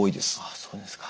そうですか。